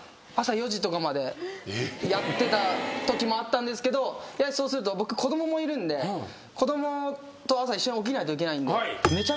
やってたときもあったんですけどそうすると僕子供もいるんで子供と朝一緒に起きないといけないんで。